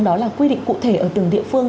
đó là quy định cụ thể ở từng địa phương